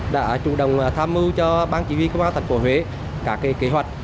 đã chủ động tham mưu cho bang chỉ huy công an tp huế các kế hoạch